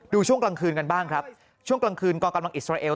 ช่วงกลางคืนกันบ้างครับช่วงกลางคืนกองกำลังอิสราเอล